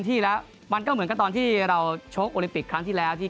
ที่แล้วมันก็เหมือนกับตอนที่เราชกโอลิมปิกครั้งที่แล้วที่